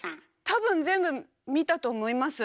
多分全部見たと思います。